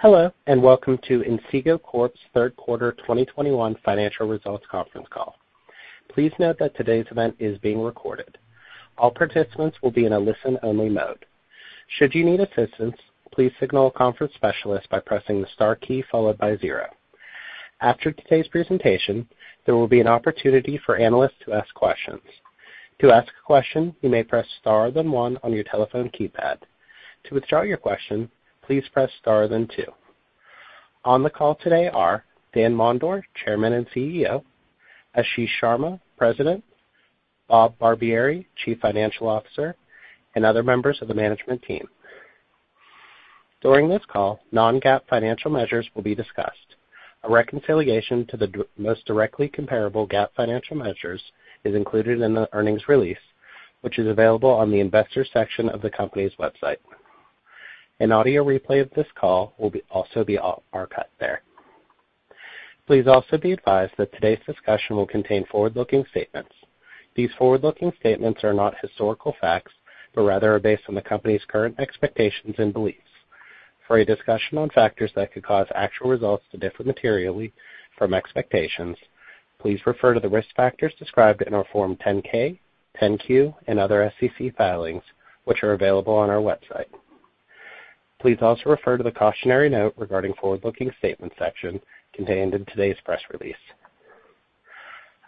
Hello, and welcome to Inseego Corp's third quarter 2021 financial results conference call. Please note that today's event is being recorded. All participants will be in a listen-only mode. Should you need assistance, please signal a conference specialist by pressing the star key followed by zero. After today's presentation, there will be an opportunity for analysts to ask questions. To ask a question, you may press star then one on your telephone keypad. To withdraw your question, please press star then two. On the call today are Dan Mondor, Chairman and CEO, Ashish Sharma, President, Bob Barbieri, Chief Financial Officer, and other members of the management team. During this call, non-GAAP financial measures will be discussed. A reconciliation to the most directly comparable GAAP financial measures is included in the earnings release, which is available on the investors section of the company's website. An audio replay of this call will be also archived there. Please also be advised that today's discussion will contain forward-looking statements. These forward-looking statements are not historical facts, but rather are based on the company's current expectations and beliefs. For a discussion on factors that could cause actual results to differ materially from expectations, please refer to the risk factors described in our Form 10-K, 10-Q, and other SEC filings, which are available on our website. Please also refer to the cautionary note regarding forward-looking statements section contained in today's press release.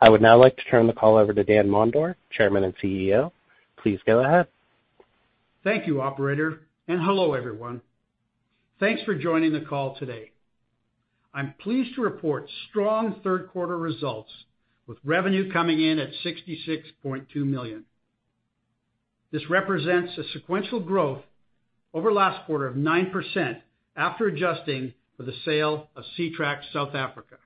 I would now like to turn the call over to Dan Mondor, Chairman and CEO. Please go ahead. Thank you, Operator, and hello, everyone. Thanks for joining the call today. I'm pleased to report strong third quarter results with revenue coming in at $66.2 million. This represents a sequential growth over last quarter of 9% after adjusting for the sale of Ctrack South Africa.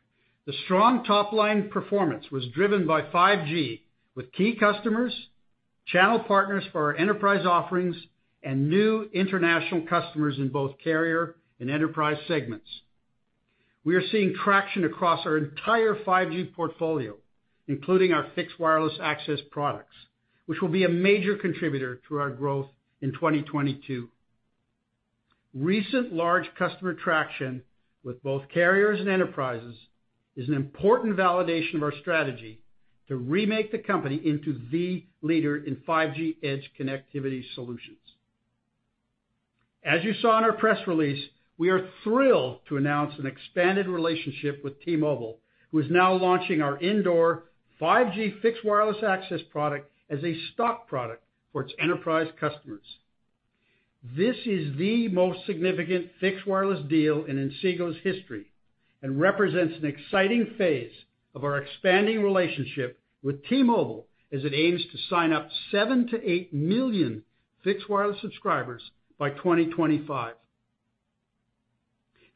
The strong top-line performance was driven by 5G with key customers, channel partners for our enterprise offerings, and new international customers in both carrier and enterprise segments. We are seeing traction across our entire 5G portfolio, including fixed wireless access products, which will be a major contributor to our growth in 2022. Recent large customer traction with both carriers and enterprises is an important validation of our strategy to remake the company into the leader in 5G edge connectivity solutions. As you saw in our press release, we are thrilled to announce an expanded relationship with T-Mobile, who is now launching our indoor 5G fixed wireless access product as a stock product for its enterprise customers. This is the most significant fixed wireless deal in Inseego's history and represents an exciting phase of our expanding relationship with T-Mobile as it aims to sign up 7 million-8 million fixed wireless subscribers by 2025.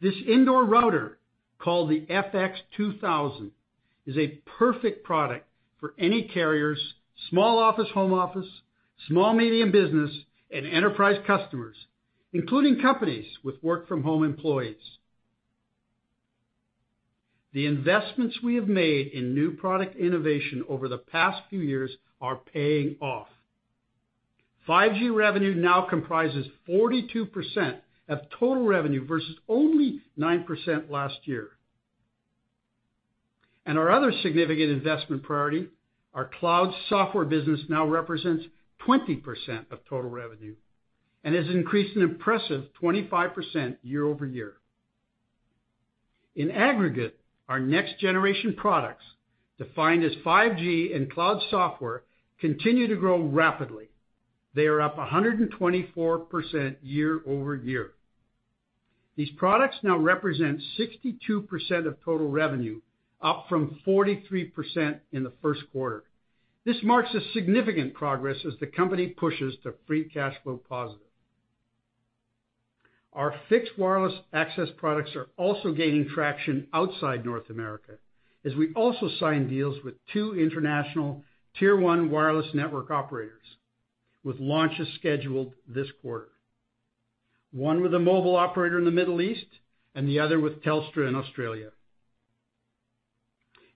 This indoor router, called the FX2000, is a perfect product for any carrier's small office/home office, small medium business, and enterprise customers, including companies with work from home employees. The investments we have made in new product innovation over the past few years are paying off. 5G revenue now comprises 42% of total revenue versus only 9% last year. Our other significant investment priority, our cloud software business, now represents 20% of total revenue and has increased an impressive 25% year-over-year. In aggregate, our next generation products, defined as 5G and cloud software, continue to grow rapidly. They are up 124% year-over-year. These products now represent 62% of total revenue, up from 43% in the first quarter. This marks a significant progress as the company pushes to free cash flow positive. Our fixed wireless access products are also gaining traction outside North America as we also sign deals with two international tier one wireless network operators with launches scheduled this quarter, one with a mobile operator in the Middle East and the other with Telstra in Australia.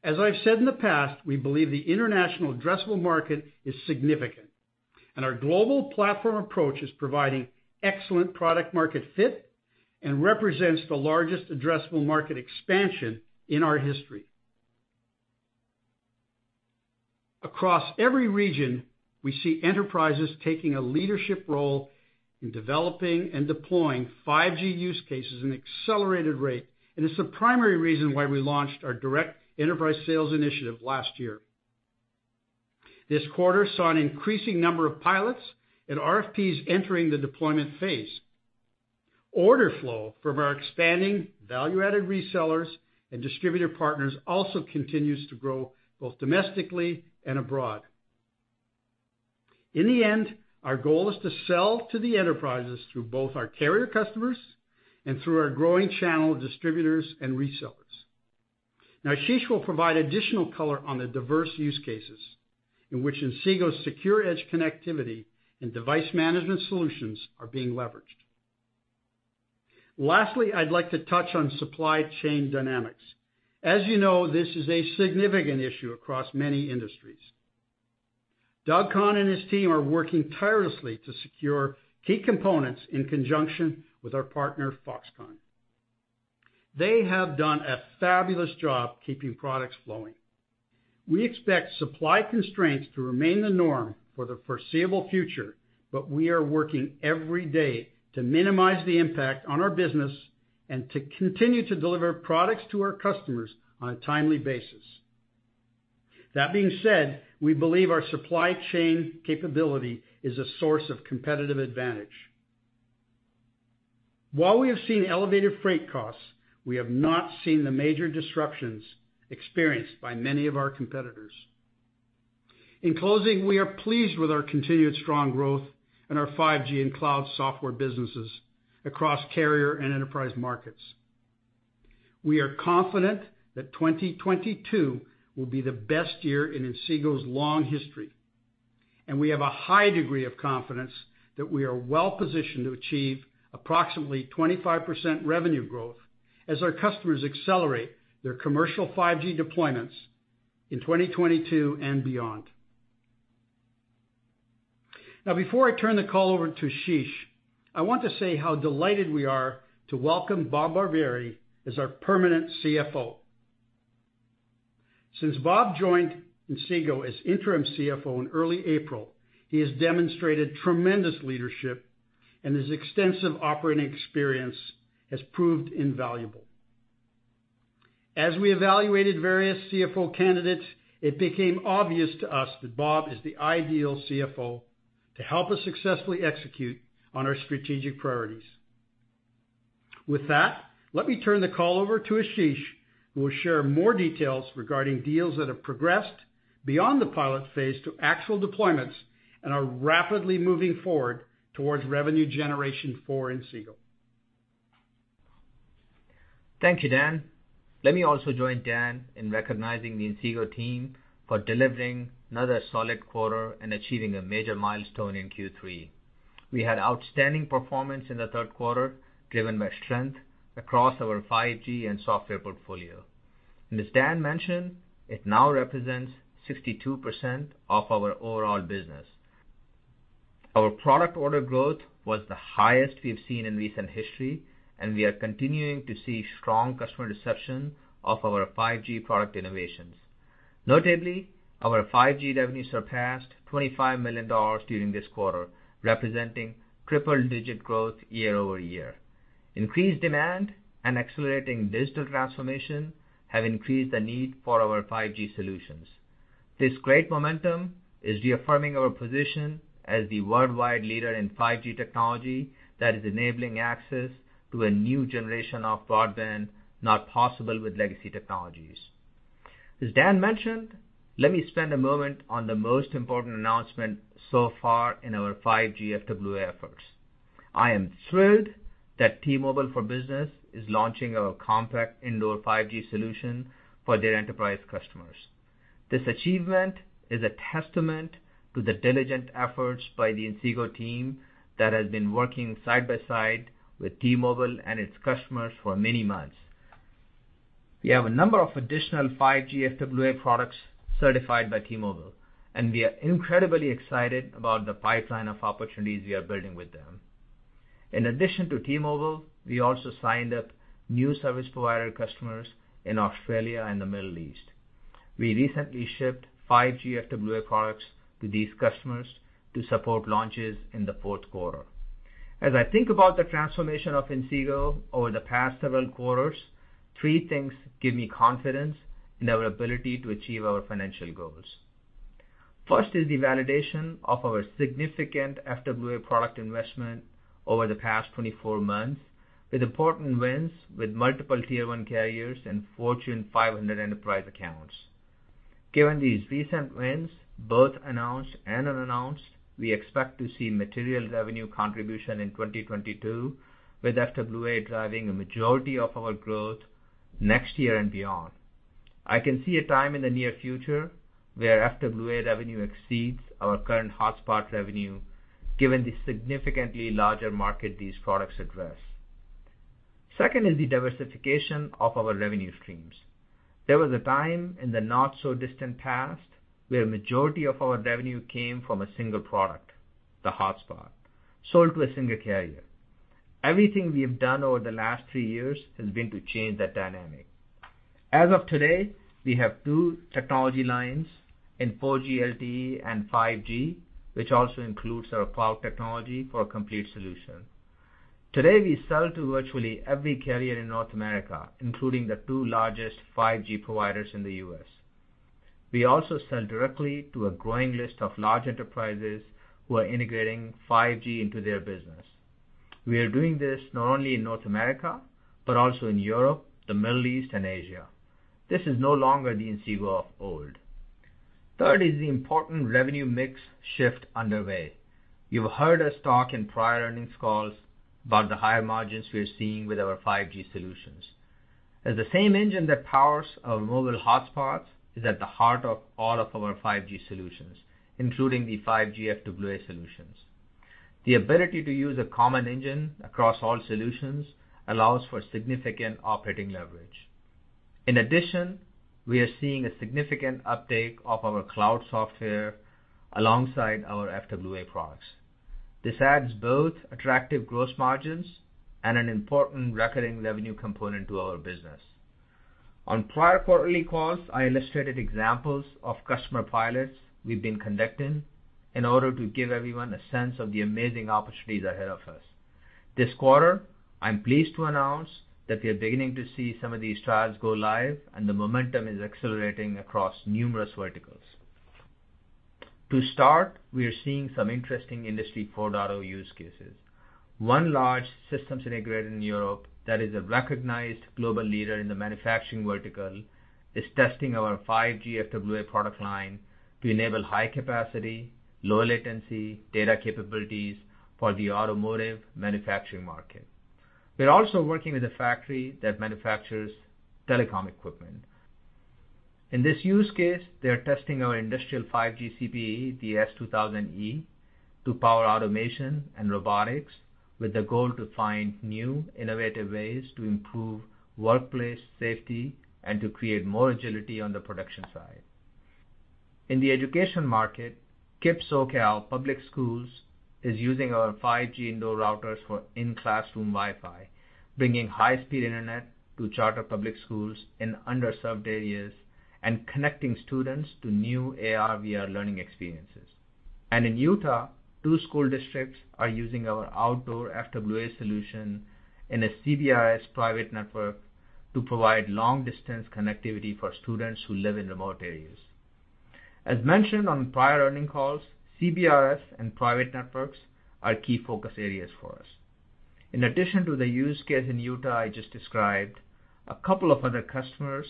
As I've said in the past, we believe the international addressable market is significant, and our global platform approach is providing excellent product market fit and represents the largest addressable market expansion in our history. Across every region, we see enterprises taking a leadership role in developing and deploying 5G use cases at an accelerated rate, and it's the primary reason why we launched our direct enterprise sales initiative last year. This quarter saw an increasing number of pilots and RFPs entering the deployment phase. Order flow from our expanding value-added resellers and distributor partners also continues to grow both domestically and abroad. In the end, our goal is to sell to the enterprises through both our carrier customers and through our growing channel of distributors and resellers. Now, Ashish will provide additional color on the diverse use cases in which Inseego's secure edge connectivity and device management solutions are being leveraged. Lastly, I'd like to touch on supply chain dynamics. As you know, this is a significant issue across many industries. Doug Kahn and his team are working tirelessly to secure key components in conjunction with our partner, Foxconn. They have done a fabulous job keeping products flowing. We expect supply constraints to remain the norm for the foreseeable future, but we are working every day to minimize the impact on our business and to continue to deliver products to our customers on a timely basis. That being said, we believe our supply chain capability is a source of competitive advantage. While we have seen elevated freight costs, we have not seen the major disruptions experienced by many of our competitors. In closing, we are pleased with our continued strong growth in our 5G and cloud software businesses across carrier and enterprise markets. We are confident that 2022 will be the best year in Inseego's long history, and we have a high degree of confidence that we are well-positioned to achieve approximately 25% revenue growth as our customers accelerate their commercial 5G deployments in 2022 and beyond. Now before I turn the call over to Ashish, I want to say how delighted we are to welcome Bob Barbieri as our permanent CFO. Since Bob joined Inseego as interim CFO in early April, he has demonstrated tremendous leadership, and his extensive operating experience has proved invaluable. As we evaluated various CFO candidates, it became obvious to us that Bob is the ideal CFO to help us successfully execute on our strategic priorities. With that, let me turn the call over to Ashish, who will share more details regarding deals that have progressed beyond the pilot phase to actual deployments and are rapidly moving forward towards revenue generation for Inseego. Thank you, Dan. Let me also join Dan in recognizing the Inseego team for delivering another solid quarter and achieving a major milestone in Q3. We had outstanding performance in the third quarter, driven by strength across our 5G and software portfolio. As Dan mentioned, it now represents 62% of our overall business. Our product order growth was the highest we have seen in recent history, and we are continuing to see strong customer reception of our 5G product innovations. Notably, our 5G revenue surpassed $25 million during this quarter, representing triple digit growth year-over-year. Increased demand and accelerating digital transformation have increased the need for our 5G solutions. This great momentum is reaffirming our position as the worldwide leader in 5G technology that is enabling access to a new generation of broadband not possible with legacy technologies. As Dan mentioned, let me spend a moment on the most important announcement so far in our 5G FWA efforts. I am thrilled that T-Mobile for Business is launching our compact indoor 5G solution for their enterprise customers. This achievement is a testament to the diligent efforts by the Inseego team that has been working side by side with T-Mobile and its customers for many months. We have a number of additional 5G FWA products certified by T-Mobile, and we are incredibly excited about the pipeline of opportunities we are building with them. In addition to T-Mobile, we also signed up new service provider customers in Australia and the Middle East. We recently shipped 5G FWA products to these customers to support launches in the fourth quarter. As I think about the transformation of Inseego over the past several quarters, three things give me confidence in our ability to achieve our financial goals. First is the validation of our significant FWA product investment over the past 24 months, with important wins with multiple tier one carriers and Fortune 500 enterprise accounts. Given these recent wins, both announced and unannounced, we expect to see material revenue contribution in 2022, with FWA driving a majority of our growth next year and beyond. I can see a time in the near future where FWA revenue exceeds our current hotspot revenue, given the significantly larger market these products address. Second is the diversification of our revenue streams. There was a time in the not so distant past where majority of our revenue came from a single product, the hotspot, sold to a single carrier. Everything we have done over the last three years has been to change that dynamic. As of today, we have two technology lines in 4G LTE and 5G, which also includes our cloud technology for a complete solution. Today, we sell to virtually every carrier in North America, including the two largest 5G providers in the U.S. We also sell directly to a growing list of large enterprises who are integrating 5G into their business. We are doing this not only in North America, but also in Europe, the Middle East, and Asia. This is no longer the Inseego of old. Third is the important revenue mix shift underway. You've heard us talk in prior earnings calls about the higher margins we are seeing with our 5G solutions, as the same engine that powers our mobile hotspots is at the heart of all of our 5G solutions, including the 5G FWA solutions. The ability to use a common engine across all solutions allows for significant operating leverage. In addition, we are seeing a significant uptake of our cloud software alongside our FWA products. This adds both attractive gross margins and an important recurring revenue component to our business. On prior quarterly calls, I illustrated examples of customer pilots we've been conducting in order to give everyone a sense of the amazing opportunities ahead of us. This quarter, I'm pleased to announce that we are beginning to see some of these trials go live, and the momentum is accelerating across numerous verticals. To start, we are seeing some interesting Industry 4.0 data use cases. One large systems integrator in Europe that is a recognized global leader in the manufacturing vertical is testing our 5G FWA product line to enable high capacity, low latency data capabilities for the automotive manufacturing market. We're also working with a factory that manufactures telecom equipment. In this use case, they are testing our industrial 5G CPE, the S2000e, to power automation and robotics with the goal to find new innovative ways to improve workplace safety and to create more agility on the production side. In the education market, KIPP SoCal Public Schools is using our 5G indoor routers for in-classroom Wi-Fi, bringing high-speed internet to charter public schools in underserved areas and connecting students to new AR/VR learning experiences. In Utah, two school districts are using our outdoor FWA solution in a CBRS private network to provide long-distance connectivity for students who live in remote areas. As mentioned on prior earnings calls, CBRS and private networks are key focus areas for us. In addition to the use case in Utah I just described, a couple of other customers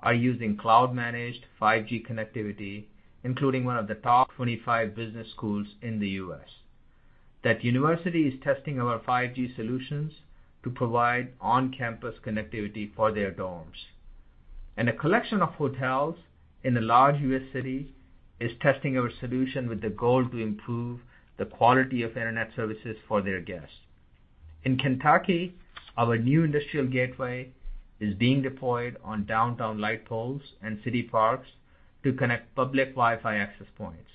are using cloud-managed 5G connectivity, including one of the top 25 business schools in the U.S. That university is testing our 5G solutions to provide on-campus connectivity for their dorms. A collection of hotels in a large U.S. city is testing our solution with the goal to improve the quality of internet services for their guests. In Kentucky, our new industrial gateway is being deployed on downtown light poles and city parks to connect public Wi-Fi access points.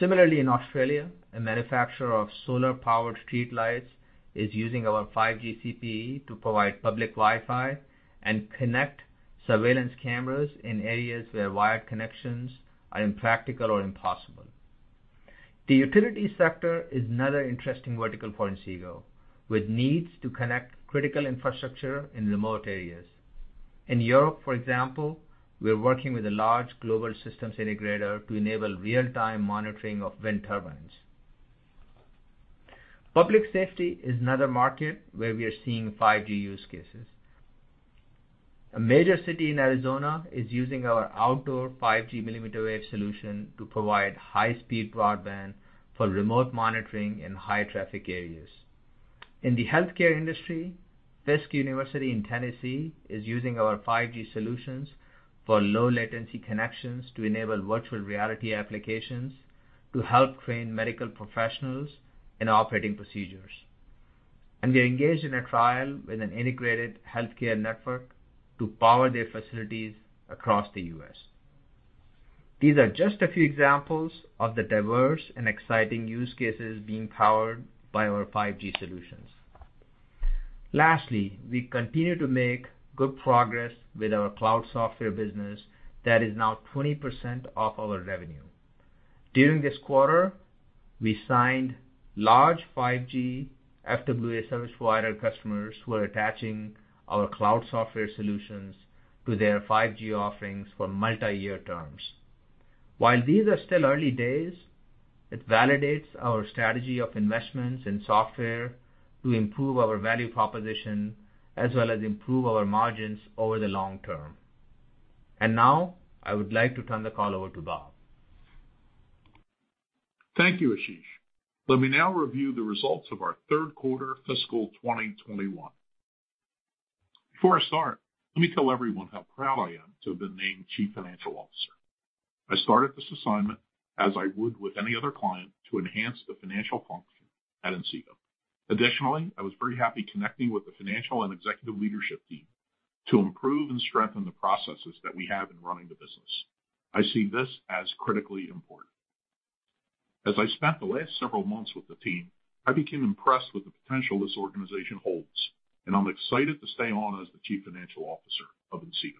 Similarly, in Australia, a manufacturer of solar-powered streetlights is using our 5G CPE to provide public Wi-Fi and connect surveillance cameras in areas where wired connections are impractical or impossible. The utility sector is another interesting vertical for Inseego, with needs to connect critical infrastructure in remote areas. In Europe, for example, we are working with a large global systems integrator to enable real-time monitoring of wind turbines. Public safety is another market where we are seeing 5G use cases. A major city in Arizona is using our outdoor 5G millimeter wave solution to provide high-speed broadband for remote monitoring in high traffic areas. In the healthcare industry, Fisk University in Tennessee is using our 5G solutions for low latency connections to enable virtual reality applications to help train medical professionals in operating procedures. We are engaged in a trial with an integrated healthcare network to power their facilities across the U.S. These are just a few examples of the diverse and exciting use cases being powered by our 5G solutions. Lastly, we continue to make good progress with our cloud software business that is now 20% of our revenue. During this quarter, we signed large 5G FWA service provider customers who are attaching our cloud software solutions to their 5G offerings for multiyear terms. While these are still early days, it validates our strategy of investments in software to improve our value proposition as well as improve our margins over the long term. Now, I would like to turn the call over to Bob. Thank you, Ashish. Let me now review the results of our third quarter fiscal 2021. Before I start, let me tell everyone how proud I am to have been named Chief Financial Officer. I started this assignment as I would with any other client to enhance the financial function at Inseego. Additionally, I was very happy connecting with the financial and executive leadership team to improve and strengthen the processes that we have in running the business. I see this as critically important. As I spent the last several months with the team, I became impressed with the potential this organization holds, and I'm excited to stay on as the Chief Financial Officer of Inseego.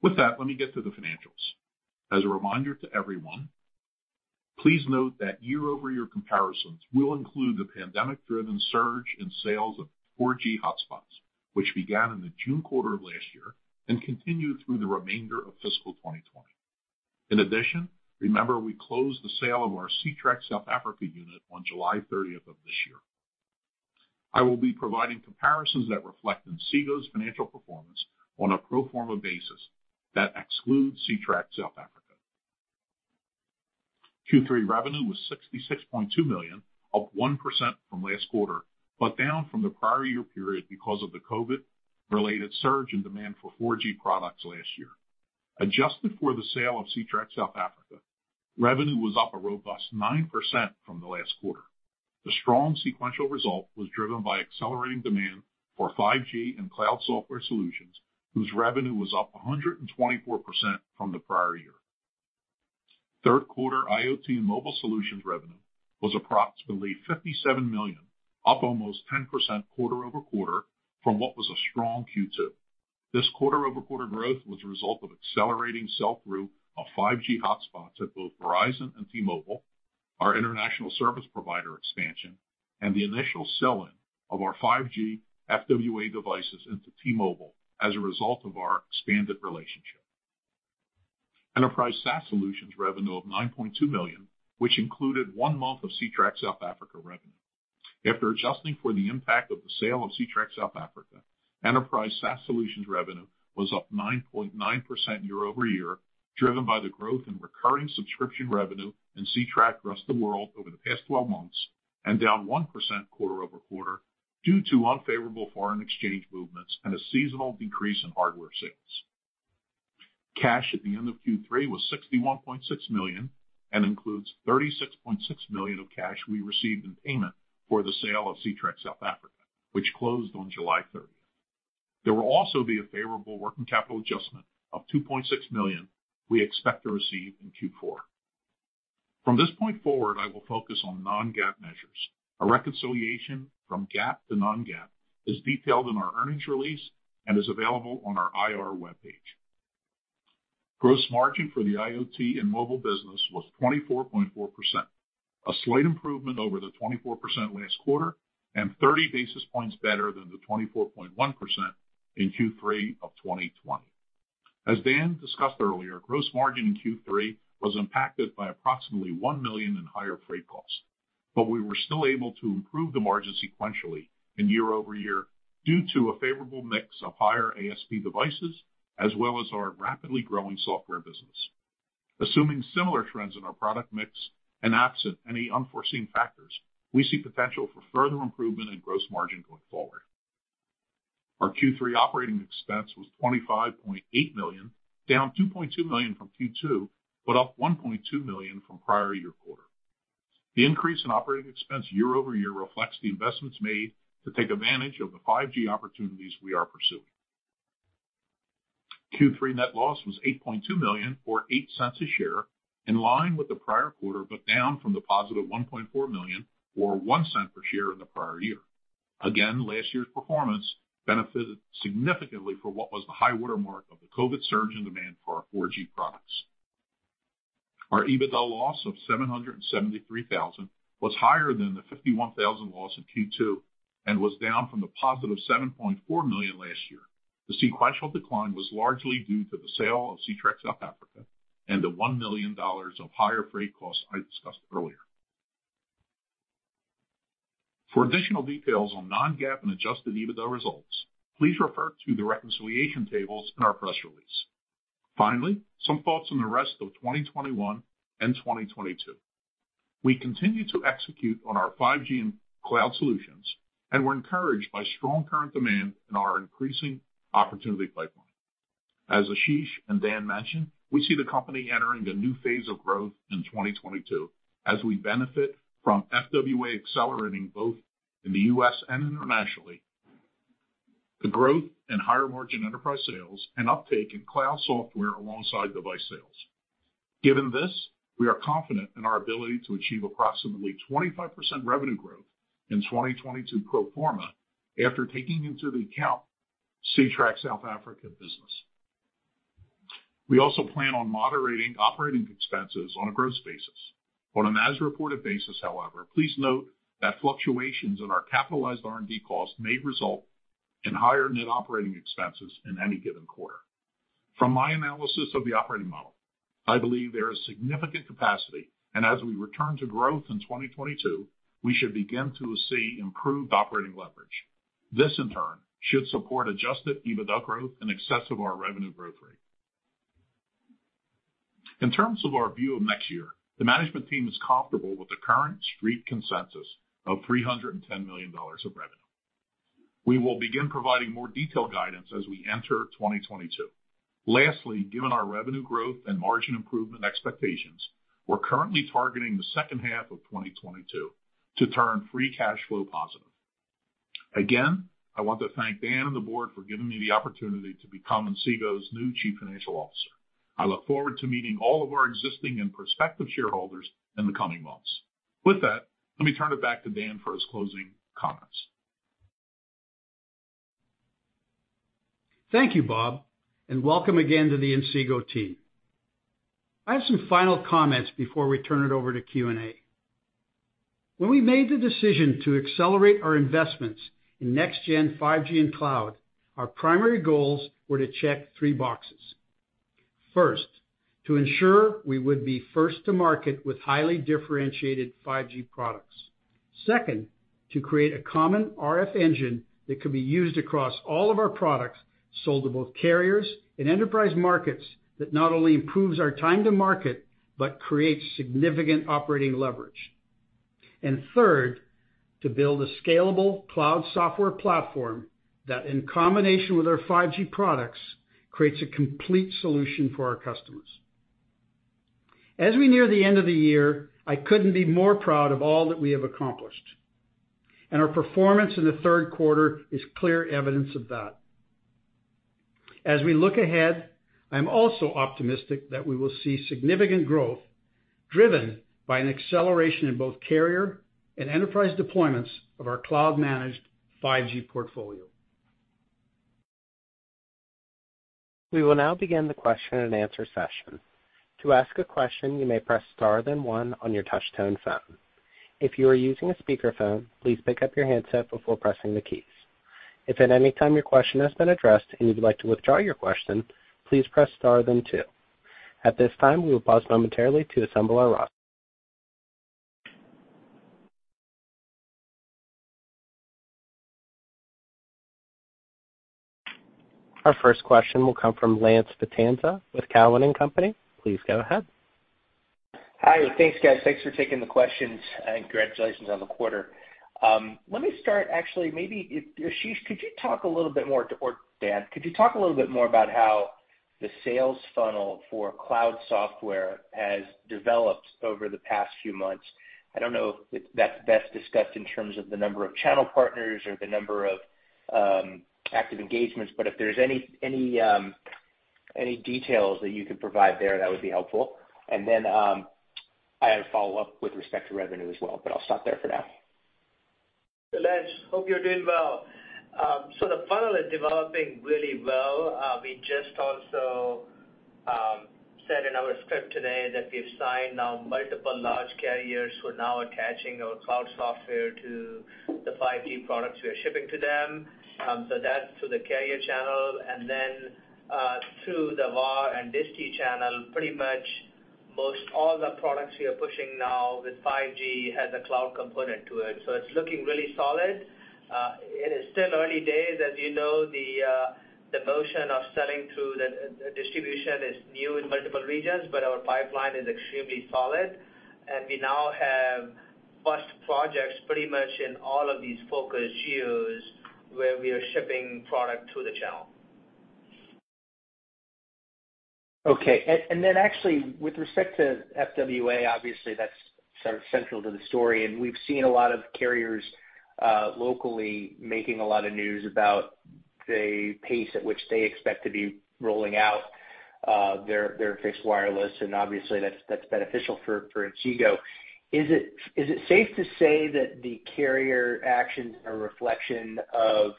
With that, let me get to the financials. As a reminder to everyone, please note that year-over-year comparisons will include the pandemic-driven surge in sales of 4G hotspots, which began in the June quarter of last year and continued through the remainder of fiscal 2020. In addition, remember we closed the sale of our Ctrack South Africa unit on July 30th of this year. I will be providing comparisons that reflect Inseego's financial performance on a pro forma basis that excludes Ctrack South Africa. Q3 revenue was $66.2 million, up 1% from last quarter, but down from the prior year period because of the COVID-related surge in demand for 4G products last year. Adjusted for the sale of Ctrack South Africa, revenue was up a robust 9% from the last quarter. The strong sequential result was driven by accelerating demand for 5G and cloud software solutions, whose revenue was up 124% from the prior year. Third quarter IoT and mobile solutions revenue was approximately $57 million, up almost 10% quarter-over-quarter from what was a strong Q2. This quarter-over-quarter growth was a result of accelerating sell-through of 5G hotspots at both Verizon and T-Mobile, our international service provider expansion, and the initial sell-in of our 5G FWA devices into T-Mobile as a result of our expanded relationship. Enterprise SaaS solutions revenue of $9.2 million, which included one month of Ctrack South Africa revenue. After adjusting for the impact of the sale of Ctrack South Africa, enterprise SaaS solutions revenue was up 9.9% year-over-year, driven by the growth in recurring subscription revenue and Ctrack rest of the world over the past 12 months, and down 1% quarter-over-quarter due to unfavorable foreign exchange movements and a seasonal decrease in hardware sales. Cash at the end of Q3 was $61.6 million and includes $36.6 million of cash we received in payment for the sale of Ctrack South Africa, which closed on July 30. There will also be a favorable working capital adjustment of $2.6 million we expect to receive in Q4. From this point forward, I will focus on non-GAAP measures. A reconciliation from GAAP to non-GAAP is detailed in our earnings release and is available on our IR webpage. Gross margin for the IoT and mobile business was 24.4%, a slight improvement over the 24% last quarter and 30 basis points better than the 24.1% in Q3 of 2020. As Dan discussed earlier, gross margin in Q3 was impacted by approximately $1 million in higher freight costs, but we were still able to improve the margin sequentially and year-over-year due to a favorable mix of higher ASP devices, as well as our rapidly growing software business. Assuming similar trends in our product mix and absent any unforeseen factors, we see potential for further improvement in gross margin going forward. Our Q3 operating expense was $25.8 million, down $2.2 million from Q2, but up $1.2 million from prior-year quarter. The increase in operating expense year-over-year reflects the investments made to take advantage of the 5G opportunities we are pursuing. Q3 net loss was $8.2 million or $0.08 a share, in line with the prior quarter, but down from the positive $1.4 million or $0.01/share in the prior year. Again, last year's performance benefited significantly from what was the high water mark of the COVID surge in demand for our 4G products. Our EBITDA loss of $773,000 was higher than the $51,000 loss in Q2 and was down from the positive $7.4 million last year. The sequential decline was largely due to the sale of Ctrack South Africa and the $1 million of higher freight costs I discussed earlier. For additional details on non-GAAP and adjusted EBITDA results, please refer to the reconciliation tables in our press release. Finally, some thoughts on the rest of 2021 and 2022. We continue to execute on our 5G and cloud solutions, and we're encouraged by strong current demand in our increasing opportunity pipeline. As Ashish and Dan mentioned, we see the company entering a new phase of growth in 2022 as we benefit from FWA accelerating both in the U.S. and internationally, the growth in higher margin enterprise sales, and uptake in cloud software alongside device sales. Given this, we are confident in our ability to achieve approximately 25% revenue growth in 2022 pro forma after taking into account the Ctrack South Africa business. We also plan on moderating operating expenses on a gross basis. On an as-reported basis, however, please note that fluctuations in our capitalized R&D costs may result in higher net operating expenses in any given quarter. From my analysis of the operating model, I believe there is significant capacity, and as we return to growth in 2022, we should begin to see improved operating leverage. This, in turn, should support adjusted EBITDA growth in excess of our revenue growth rate. In terms of our view of next year, the management team is comfortable with the current Street consensus of $310 million of revenue. We will begin providing more detailed guidance as we enter 2022. Lastly, given our revenue growth and margin improvement expectations, we're currently targeting the second half of 2022 to turn free cash flow positive. Again, I want to thank Dan and the board for giving me the opportunity to become Inseego's new Chief Financial Officer. I look forward to meeting all of our existing and prospective shareholders in the coming months. With that, let me turn it back to Dan for his closing comments. Thank you, Bob, and welcome again to the Inseego team. I have some final comments before we turn it over to Q&A. When we made the decision to accelerate our investments in next-gen 5G and cloud, our primary goals were to check three boxes. First, to ensure we would be first to market with highly differentiated 5G products. Second, to create a common RF engine that could be used across all of our products sold to both carriers and enterprise markets that not only improves our time to market but creates significant operating leverage. Third, to build a scalable cloud software platform that in combination with our 5G products, creates a complete solution for our customers. As we near the end of the year, I couldn't be more proud of all that we have accomplished, and our performance in the third quarter is clear evidence of that. As we look ahead, I'm also optimistic that we will see significant growth driven by an acceleration in both carrier and enterprise deployments of our cloud-managed 5G portfolio. We will now begin the question-and-answer session. To ask a question, you may press star then one on your touch tone phone. If you are using a speaker phone, please pick up your handset before pressing the keys. If at any time your question has been addressed and you'd like to withdraw your question, please press star then two. At this time, we will pause momentarily. Our first question will come from Lance Vitanza with Cowen and Company. Please go ahead. Hi. Thanks, guys. Thanks for taking the questions, and congratulations on the quarter. Let me start actually maybe if Ashish could you talk a little bit more, or Dan could you talk a little bit more about how the sales funnel for cloud software has developed over the past few months. I don't know if that's best discussed in terms of the number of channel partners or the number of active engagements, but if there's any details that you could provide there, that would be helpful. I have a follow-up with respect to revenue as well, but I'll stop there for now. Lance, hope you're doing well. The funnel is developing really well. We just also said in our script today that we've signed now multiple large carriers who are now attaching our cloud software to the 5G products we are shipping to them. That's through the carrier channel. Through the VAR and disti channel, pretty much most all the products we are pushing now with 5G has a cloud component to it, so it's looking really solid. It is still early days. As you know, the motion of selling through the distribution is new in multiple regions, but our pipeline is extremely solid. We now have first projects pretty much in all of these focus areas where we are shipping product through the channel. Okay. Actually with respect to FWA, obviously that's sort of central to the story, and we've seen a lot of carriers locally making a lot of news about the pace at which they expect to be rolling out their fixed wireless, and obviously that's beneficial for Inseego. Is it safe to say that the carrier actions are a reflection of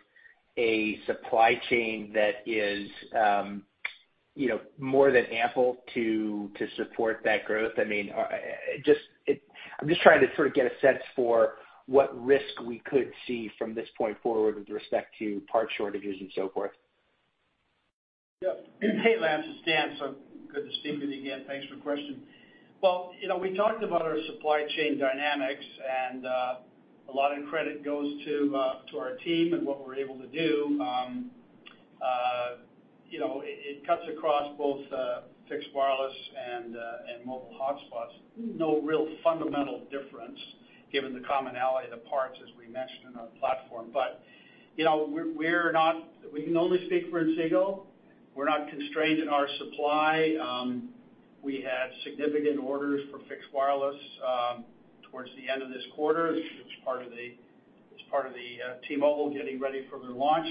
a supply chain that is, you know, more than ample to support that growth? I mean, I'm just trying to sort of get a sense for what risk we could see from this point forward with respect to part shortages and so forth. Hey, Lance. It's Dan. Good to speak with you again. Thanks for the question. Well, you know, we talked about our supply chain dynamics, and a lot of credit goes to our team and what we're able to do. You know, it cuts across both fixed wireless and mobile hotspots. No real fundamental difference given the commonality of the parts, as we mentioned, in our platform. You know, we can only speak for Inseego. We're not constrained in our supply. We had significant orders for fixed wireless towards the end of this quarter as part of the T-Mobile getting ready for their launch.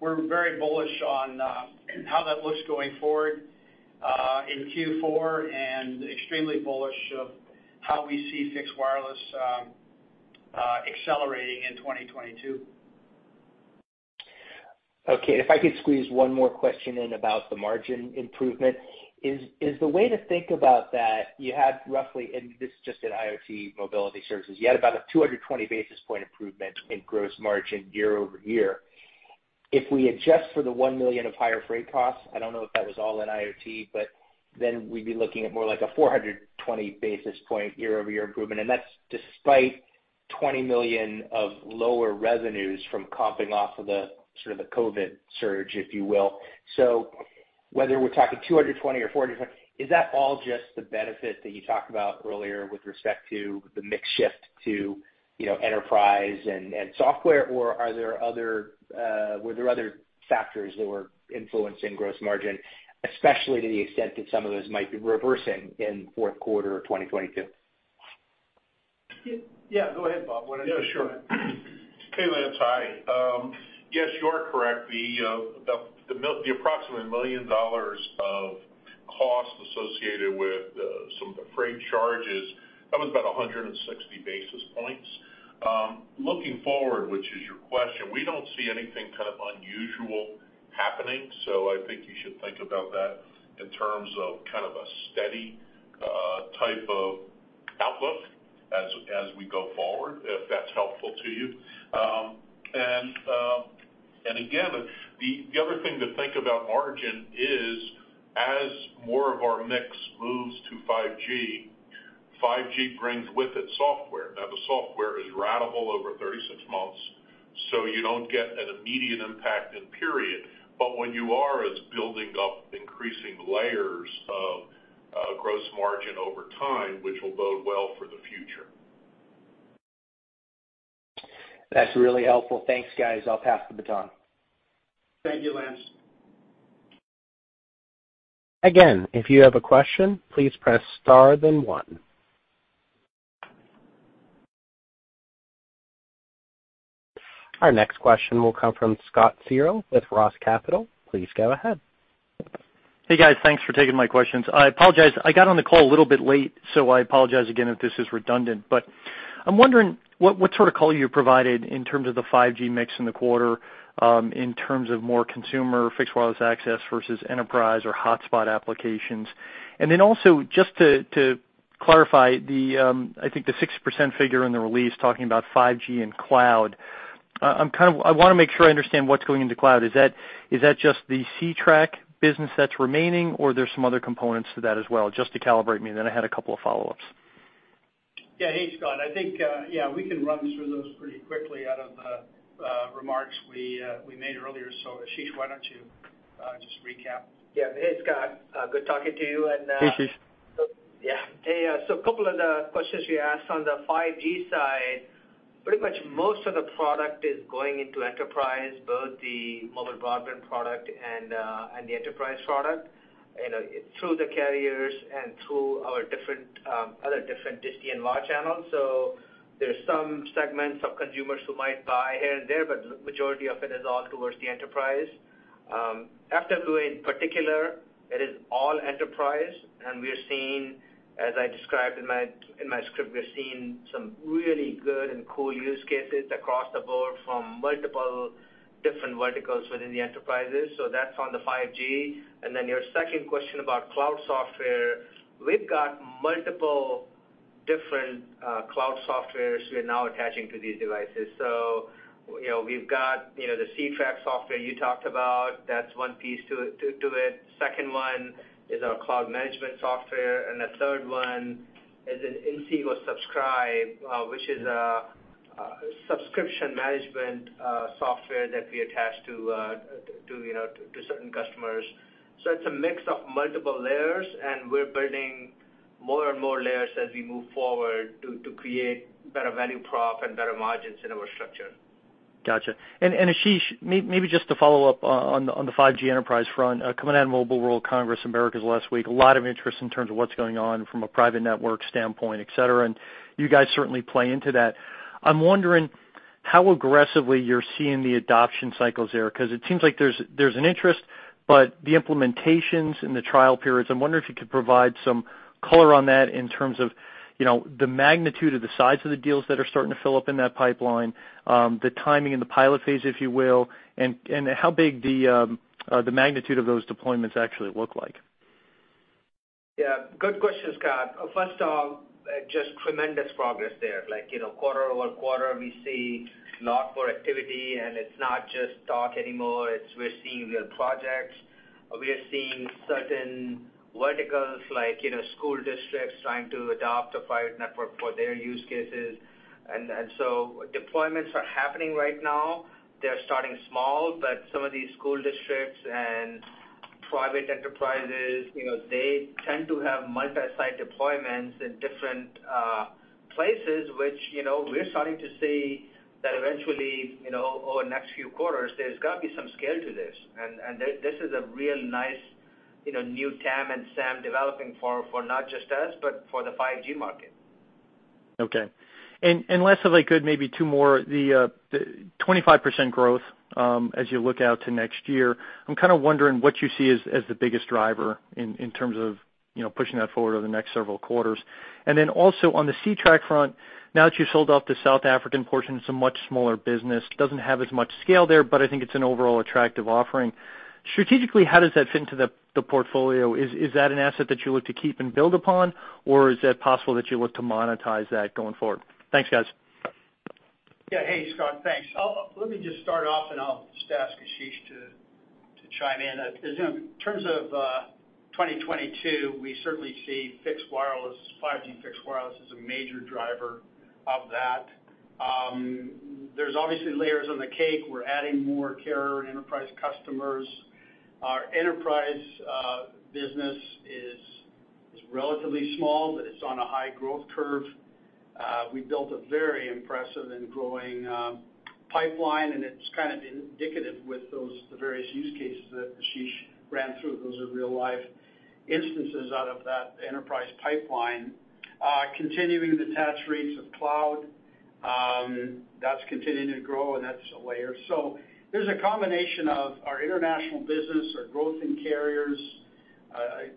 We're very bullish on how that looks going forward in Q4, and extremely bullish of how we see fixed wireless accelerating in 2022. Okay. If I could squeeze one more question in about the margin improvement. Is the way to think about that, you had roughly, and this is just in IoT mobility services, you had about 220 basis point improvement in gross margin year-over-year. If we adjust for the $1 million of higher freight costs, I don't know if that was all in IoT, but then we'd be looking at more like 420 basis point year-over-year improvement, and that's despite $20 million of lower revenues from comping off of the sort of the COVID surge, if you will. Whether we're talking 220 or 420, is that all just the benefit that you talked about earlier with respect to the mix shift to, you know, enterprise and software, or are there other, were there other factors that were influencing gross margin, especially to the extent that some of those might be reversing in fourth quarter of 2022? Yeah. Yeah, go ahead, Bob. Why don't you- Yeah, sure. Hey, Lance. Hi. Yes, you are correct. The approximately $1 million of cost associated with some of the freight charges, that was about 160 basis points. Looking forward, which is your question, we don't see anything kind of unusual happening, so I think you should think about that in terms of kind of a steady type of outlook as we go forward, if that's helpful to you. Again, the other thing to think about is margin, as more of our mix moves to 5G brings with it software. Now, the software is ratable over 36 months. You don't get an immediate impact in period, but what you are is building up increasing layers of gross margin over time, which will bode well for the future. That's really helpful. Thanks, guys. I'll pass the baton. Thank you, Lance. Again, if you have a question, please press star then one. Our next question will come from Scott Searle with Roth Capital. Please go ahead. Hey, guys. Thanks for taking my questions. I apologize. I got on the call a little bit late, so I apologize again if this is redundant. I'm wondering what sort of color you provided in terms of the 5G mix in the quarter in terms of more consumer fixed wireless access versus enterprise or hotspot applications. Also just to clarify, I think the 6% figure in the release talking about 5G and cloud, I wanna make sure I understand what's going into cloud. Is that just the Ctrack business that's remaining or there's some other components to that as well? Just to calibrate me. I had a couple of follow-ups. Hey, Scott. I think we can run through those pretty quickly out of the remarks we made earlier. Ashish, why don't you just recap? Yeah. Hey, Scott. Good talking to you. Hey, Ashish. Yeah. Hey, a couple of the questions you asked on the 5G side, pretty much most of the product is going into enterprise, both the mobile broadband product and and the enterprise product, you know, through the carriers and through our different, other different disti and VAR channels. There's some segments of consumers who might buy here and there, but majority of it is all towards the enterprise. FWA in particular, it is all enterprise, and we are seeing, as I described in my script, we're seeing some really good and cool use cases across the board from multiple different verticals within the enterprises. That's on the 5G. Then your second question about cloud software, we've got multiple different cloud softwares we're now attaching to these devices. You know, we've got, you know, the Ctrack software you talked about. That's one piece to it. Second one is our cloud management software, and the third one is an Inseego Subscribe, which is a subscription management software that we attach to certain customers. It's a mix of multiple layers, and we're building more and more layers as we move forward to create better value prop and better margins in our structure. Gotcha. Ashish, maybe just to follow up on the 5G enterprise front, coming out of Mobile World Congress Americas last week, a lot of interest in terms of what's going on from a private network standpoint, et cetera, and you guys certainly play into that. I'm wondering how aggressively you're seeing the adoption cycles there, 'cause it seems like there's an interest, but the implementations and the trial periods. I'm wondering if you could provide some color on that in terms of, you know, the magnitude of the size of the deals that are starting to fill up in that pipeline, the timing in the pilot phase, if you will, and how big the magnitude of those deployments actually look like. Yeah. Good question, Scott. First off, just tremendous progress there. Like, you know, quarter-over-quarter, we see a lot more activity, and it's not just talk anymore. We're seeing real projects. We are seeing certain verticals like, you know, school districts trying to adopt a private network for their use cases. So deployments are happening right now. They're starting small, but some of these school districts and private enterprises, you know, they tend to have multi-site deployments in different places, which, you know, we're starting to see that eventually, you know, over the next few quarters, there's gotta be some scale to this. This is a real nice, you know, new TAM and SAM developing for not just us, but for the 5G market. Okay. Last, if I could, maybe two more. The 25% growth, as you look out to next year, I'm kinda wondering what you see as the biggest driver in terms of, you know, pushing that forward over the next several quarters. Then also on the Ctrack front, now that you've sold off the South African portion, it's a much smaller business. Doesn't have as much scale there, but I think it's an overall attractive offering. Strategically, how does that fit into the portfolio? Is that an asset that you look to keep and build upon, or is that possible that you look to monetize that going forward? Thanks, guys. Yeah. Hey, Scott. Thanks. Let me just start off, and I'll just ask Ashish to chime in. As you know, in terms of 2022, we certainly see fixed wireless, 5G fixed wireless as a major driver of that. There's obviously layers on the cake. We're adding more carrier and enterprise customers. Our enterprise business is relatively small, but it's on a high growth curve. We built a very impressive and growing pipeline, and it's kind of indicative with those the various use cases that Ashish ran through. Those are real-life instances out of that enterprise pipeline. Continuing the attach rates of cloud, that's continuing to grow, and that's a layer. There's a combination of our international business, our growth in carriers,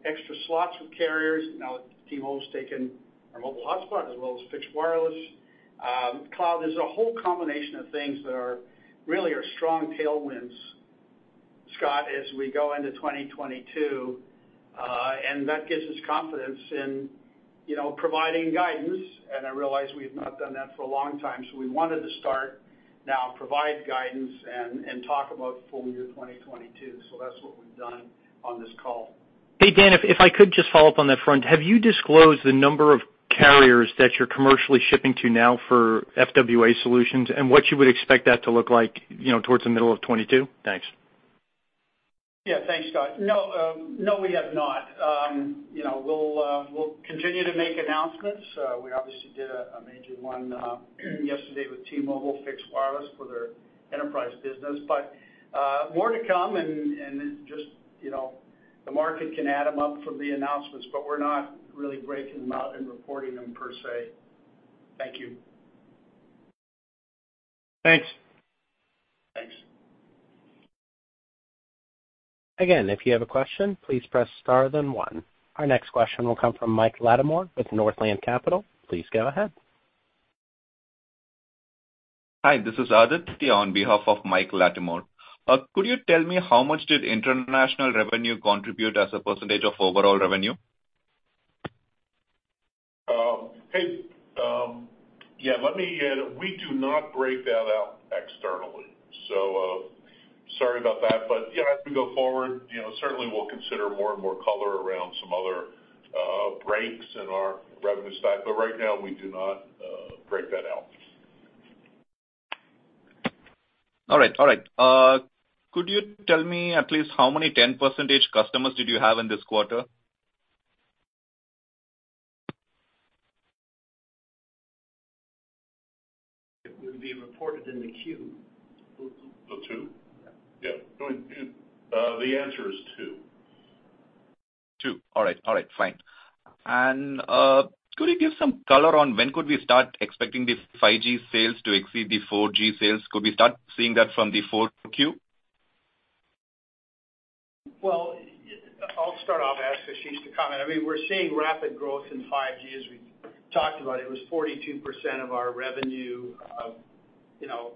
extra slots with carriers. Now that T-Mobile's taken our mobile hotspot as well as fixed wireless. Cloud is a whole combination of things that are really strong tailwinds, Scott, as we go into 2022, and that gives us confidence in, you know, providing guidance. I realize we've not done that for a long time, so we wanted to start now provide guidance and talk about full year 2022. That's what we've done on this call. Hey, Dan, if I could just follow up on that front. Have you disclosed the number of carriers that you're commercially shipping to now for FWA solutions and what you would expect that to look like, you know, towards the middle of 2022? Thanks. Yeah. Thanks, Scott. No, no, we have not. You know, we'll continue to make announcements. We obviously did a major one yesterday with T-Mobile fixed wireless for their enterprise business. More to come and just, you know, the market can add them up from the announcements, but we're not really breaking them out and reporting them per se. Thank you. Thanks. Thanks. Again, if you have a question, please press star then one. Our next question will come from Mike Latimore with Northland Capital. Please go ahead. Hi, this is Adit on behalf of Mike Latimore. Could you tell me how much did international revenue contribute as a percentage of overall revenue? Yeah, we do not break that out externally, so sorry about that. Yeah, as we go forward, you know, certainly we'll consider more and more color around some other breaks in our revenue stack, but right now we do not break that out. All right. Could you tell me at least how many 10% customers did you have in this quarter? It would be reported in the Q. The two? Yeah. Yeah. Go ahead. The answer is two. Two. All right, fine. Could you give some color on when could we start expecting the 5G sales to exceed the 4G sales? Could we start seeing that from the fourth Q? Well, I'll start off, ask Ashish to comment. I mean, we're seeing rapid growth in 5G as we've talked about. It was 42% of our revenue, you know,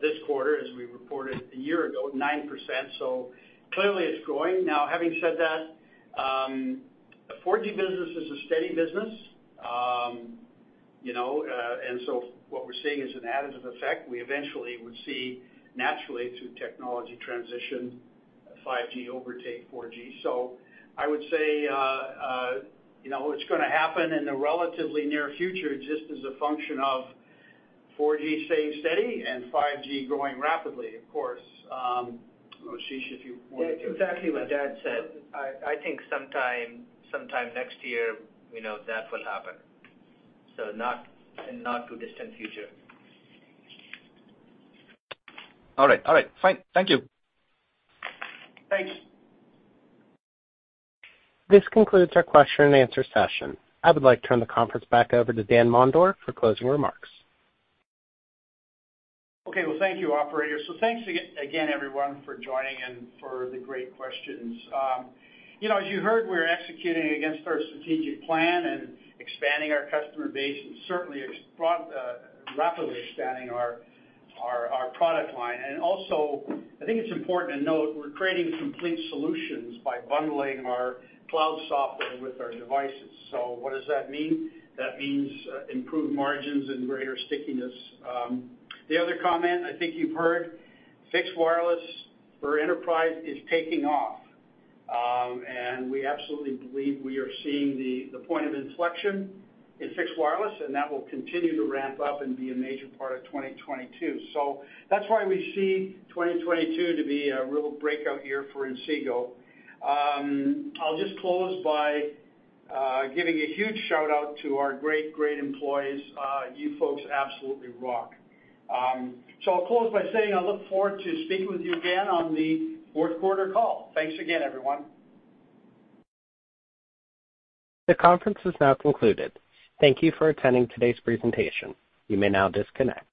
this quarter, as we reported a year ago, 9%. Clearly it's growing. Now, having said that, the 4G business is a steady business, you know, and so what we're seeing is an additive effect. We eventually would see naturally through technology transition, 5G overtake 4G. I would say, you know, it's gonna happen in the relatively near future just as a function of 4G staying steady and 5G growing rapidly, of course. Ashish, if you wanted to- Yeah, exactly what Dan said. I think sometime next year, you know, that will happen. Not too distant future. All right, fine. Thank you. Thanks. This concludes our question-and-answer session. I would like to turn the conference back over to Dan Mondor for closing remarks. Okay. Well, thank you, Operator. Thanks again, everyone, for joining and for the great questions. As you heard, we're executing against our strategic plan and expanding our customer base, and certainly rapidly expanding our product line. I think it's important to note we're creating complete solutions by bundling our cloud software with our devices. What does that mean? That means improved margins and greater stickiness. The other comment, I think you've heard, fixed wireless for enterprise is taking off. We absolutely believe we are seeing the point of inflection in fixed wireless access, and that will continue to ramp up and be a major part of 2022. That's why we see 2022 to be a real breakout year for Inseego. I'll just close by giving a huge shout-out to our great employees. You folks absolutely rock. I'll close by saying I look forward to speaking with you again on the fourth quarter call. Thanks again, everyone. The conference is now concluded. Thank you for attending today's presentation. You may now disconnect.